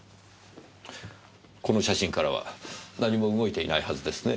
この写真からは何も動いていないはずですね？